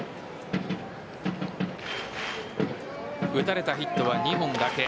打たれたヒットは２本だけ。